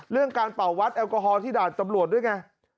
การเป่าวัดแอลกอฮอลที่ด่านตำรวจด้วยไง